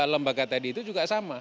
lembaga tadi itu juga sama